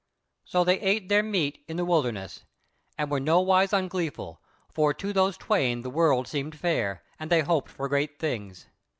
So they ate their meat in the wilderness, and were nowise ungleeful, for to those twain the world seemed fair, and they hoped for great things.